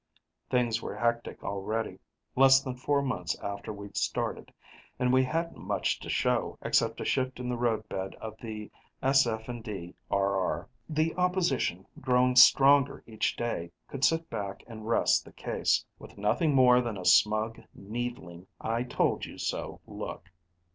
Things were hectic already, less than four months after we'd started. And we hadn't much to show, except a shift in the roadbed of the SF & D RR. The opposition, growing stronger each day, could sit back and rest the case, with nothing more than a smug, needling, I told you so look.